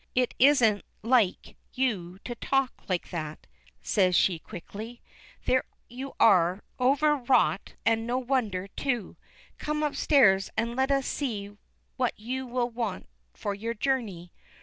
"It isn't like you to talk like that," says she quickly. "There, you are overwrought, and no wonder, too. Come upstairs and let us see what you will want for your journey."